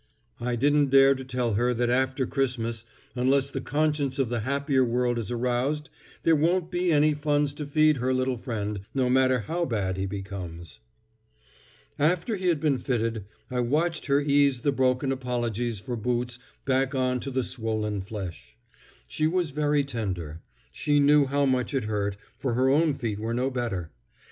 I didn't dare to tell her that after Christmas, unless the conscience of the happier world is aroused, there won't be any funds to feed her little friend, no matter how bad he becomes. After he had been fitted, I watched her ease the broken apologies for boots back on to the swollen flesh. She was very tender. She knew how much it hurt, for her own feet were no better.